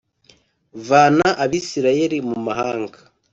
vana Abisirayeli mu mahanga